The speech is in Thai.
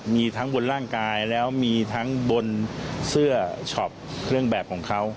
มีทั้งบนร่างกายแล้วมีทั้งบนเสื้อช็อปเครื่องแบบของเขา